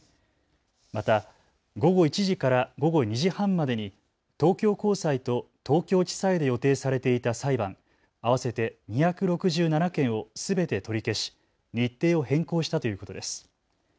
また午後１時から午後２時半までに東京高裁と東京地裁で予定されていた裁判、合わせて２６７件をすべて取り消し日程を変更したということです。